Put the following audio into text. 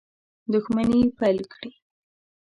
دښمني پیل کړي.